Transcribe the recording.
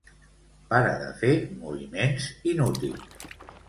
Para de fer moviments inútils.